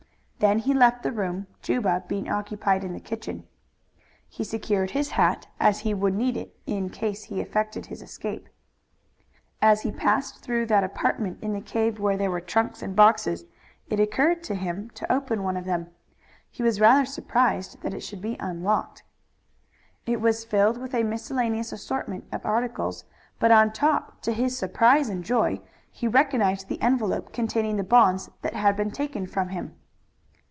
Then he left the room, Juba being occupied in the kitchen. He secured his hat, as he would need it in case he effected his escape. As he passed through that apartment in the cave where there were trunks and boxes it occurred to him to open one of them. He was rather surprised that it should be unlocked. It was filled with a miscellaneous assortment of articles, but on top to his surprise and joy he recognized the envelope containing the bonds that had been taken from him.